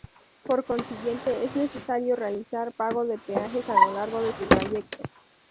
Por consiguiente, es necesario realizar pago de peajes a lo largo de su trayecto.